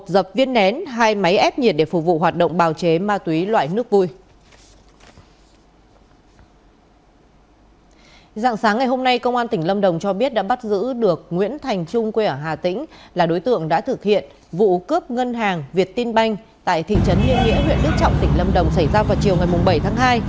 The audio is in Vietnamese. dạng sáng ngày hôm nay công an tỉnh lâm đồng cho biết đã bắt giữ được nguyễn thành trung quê ở hà tĩnh là đối tượng đã thực hiện vụ cướp ngân hàng việt tinh banh tại thị trấn nghĩa nghĩa huyện đức trọng tỉnh lâm đồng xảy ra vào chiều ngày bảy tháng hai